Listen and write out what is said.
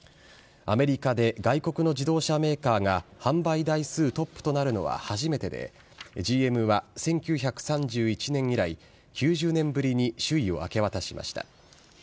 アメリカで外国の自動車メーカーが販売台数トップとなるのは初めてで、ＧＭは１９３１年以来、９０年ぶりに首位を明け渡しました。